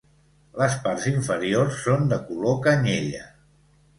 Les parts inferiors són de color canyella.